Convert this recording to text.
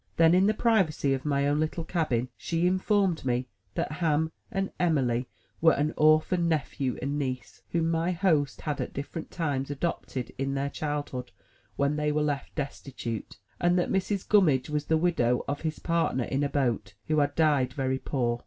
Then, in the privacy of my own little cabin, she informed me that Ham and Em'ly were an orphan nephew and niece, whom my host had at different times adopted in their childhood when they were left destitute; and that Mrs. Gummidge was the widow of his partner in a boat, who had died very poor.